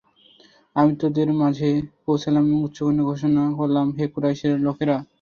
আমি তাদের মাঝে পৌঁছলাম এবং উচ্চকণ্ঠে ঘোষণা করলাম, হে কুরাইশের লোকেরা!